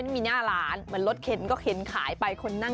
อิ่มสุดเลยค่ะ